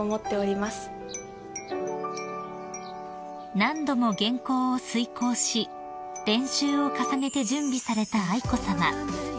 ［何度も原稿を推敲し練習を重ねて準備された愛子さま］